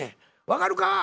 分かるか？